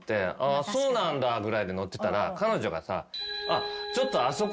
「あぁそうなんだ」ぐらいで乗ってたら彼女がさ